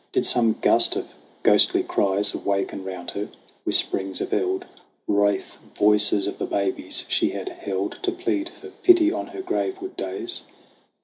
Did some gust of ghostly cries Awaken round her whisperings of Eld, Wraith voices of the babies she had held To plead for pity on her graveward days